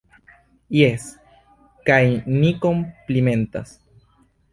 Jes, kaj ni komplimentas.